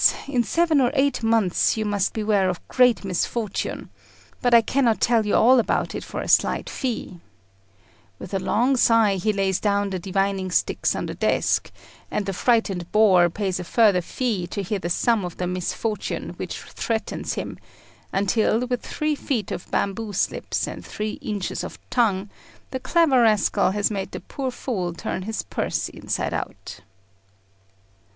in seven or eight months you must beware of great misfortune. But I cannot tell you all about it for a slight fee:" with a long sigh he lays down the divining sticks on the desk, and the frightened boor pays a further fee to hear the sum of the misfortune which threatens him, until, with three feet of bamboo slips and three inches of tongue, the clever rascal has made the poor fool turn his purse inside out.